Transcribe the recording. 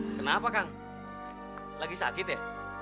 kenapa kang lagi sakit ya